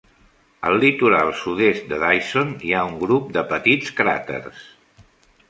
Al litoral sud-est de Dyson hi ha un grup de petits cràters.